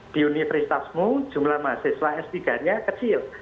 di universitasmu jumlah mahasiswa s tiga nya kecil